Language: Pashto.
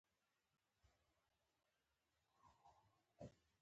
لکه لوړ ښاخونه چې هماغه باد یې زنګوي